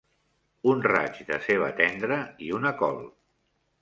Un raig de ceba tendra i una col.